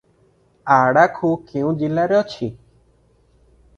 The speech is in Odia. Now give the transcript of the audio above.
ଅଡାଖୁ କେଉଁ ଜିଲ୍ଲାରେ ଅଛି?